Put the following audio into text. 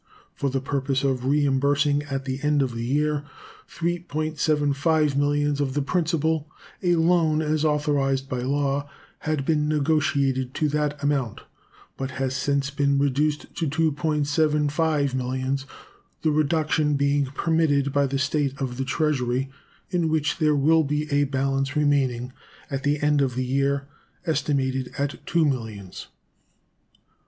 For the purpose of reimbursing at the end of the year $3.75 millions of the principal, a loan, as authorized by law, had been negotiated to that amount, but has since been reduced to $2.75 millions, the reduction being permitted by the state of the Treasury, in which there will be a balance remaining at the end of the year estimated at $2 millions.